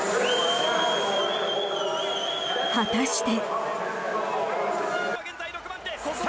果たして。